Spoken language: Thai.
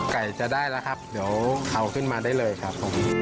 ไก่จะได้แล้วครับเดี๋ยวเอาขึ้นมาได้เลยครับผม